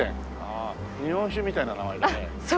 ああ日本酒みたいな名前だね。